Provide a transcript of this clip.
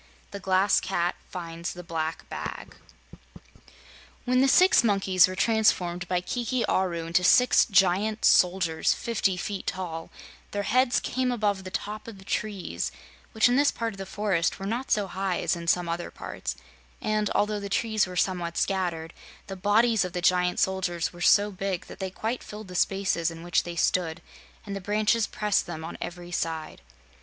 The Glass Cat Finds the Black Bag When the six monkeys were transformed by Kiki Aru into six giant soldiers fifty feet tall, their heads came above the top of the trees, which in this part of the forest were not so high as in some other parts; and, although the trees were somewhat scattered, the bodies of the giant soldiers were so big that they quite filled the spaces in which they stood and the branches pressed them on every side.